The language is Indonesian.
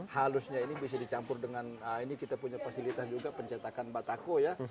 halusnya ini bisa dicampur dengan ini kita punya fasilitas juga pencetakan batako ya